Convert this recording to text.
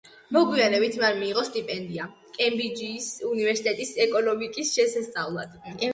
მოგვიანებით მან მიიღო სტიპენდია კემბრიჯის უნივერსიტეტში ეკონომიკის შესასწავლად.